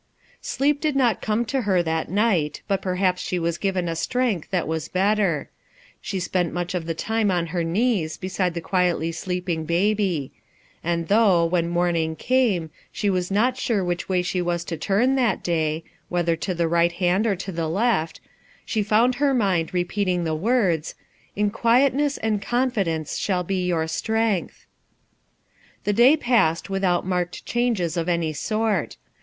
"' A RETROGRADE MOVEMENT 347 cwp did not come to her that night, but r lps she was given a strength that was tt V She <=pent much of the time on her knees llidVthe quietly sleeping baby; and though when morning came, she was not sure which y S he was to turn that day, "whether to the JlI hand or the left/* she found her mind repeating the words: "In quietness and con fidence shall be your strength," The day passed without marked changes of any S ort.